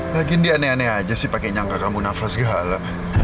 lagian dia aneh aneh aja sih pake nyangka kamu nafas gala